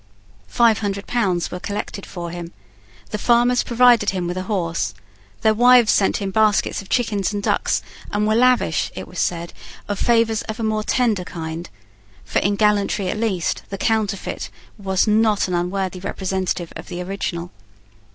Five hundred pounds were collected for him. The farmers provided him with a horse. Their wives sent him baskets of chickens and ducks, and were lavish, it was said, of favours of a more tender kind; for in gallantry at least, the counterfeit was a not unworthy representative of the original.